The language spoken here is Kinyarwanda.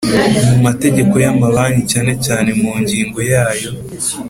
Mu mategeko Y’amabanki cyane cyane mu ngingo yayo.